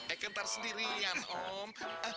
eike ntar sendirian om